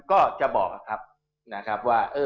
ก็จะบอกนะครับว่า